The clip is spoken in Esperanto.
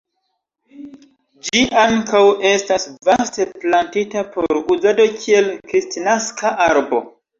Ĝi ankaŭ estas vaste plantita por uzado kiel kristnaska arbo.